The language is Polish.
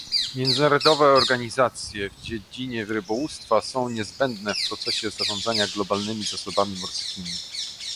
Międzynarodowe organizacje w dziedzinie rybołówstwa są niezbędne w procesie zarządzania globalnymi zasobami morskimi